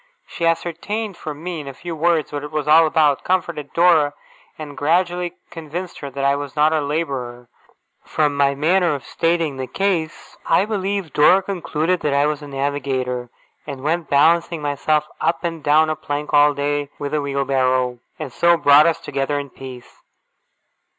She ascertained from me in a few words what it was all about, comforted Dora, and gradually convinced her that I was not a labourer from my manner of stating the case I believe Dora concluded that I was a navigator, and went balancing myself up and down a plank all day with a wheelbarrow and so brought us together in peace.